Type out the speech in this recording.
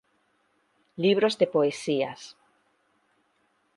Libros de poesías